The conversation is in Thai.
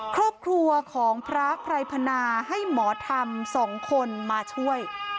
ครอบครัวของพระไพรพนาให้หมอธรรม๒คนมาช่วย